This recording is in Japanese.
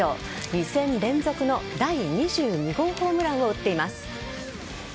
２戦連続の第２２号ホームランを打っています。